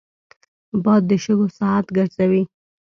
باد د شګو ساعت ګرځوي